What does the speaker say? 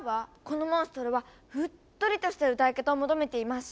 このモンストロはうっとりとした歌い方を求めています！